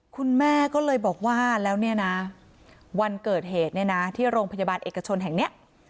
คุณแม่ก็เลยบอกว่าแล้วเนี่ยนะวันเกิดเหตุเนี่ยนะที่โรงพยาบาลเอกชนแห่งเนี้ย